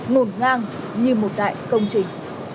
ngổn ngang như một đại công trình